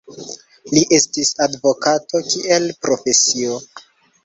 Li estis advokato kiel profesio.